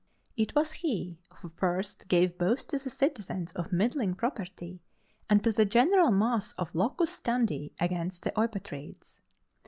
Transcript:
It was he who first gave both to the citizens of middling property and to the general mass a locus standi against the Eupatrids.